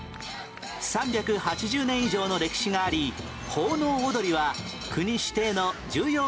３８０年以上の歴史があり奉納踊は国指定の重要無形民俗